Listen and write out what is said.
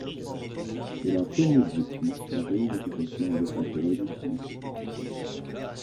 Elle a comme objectif la réunification avec la Corée du Sud.